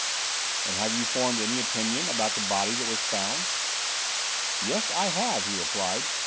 "And have you formed any opinion about the body that was found?" "Yes, I have," he replied.